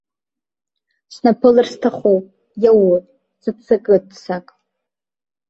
Снаԥылар сҭахуп, иаур, сыццакы-ццак.